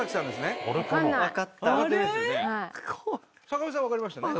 坂上さん分かりましたね。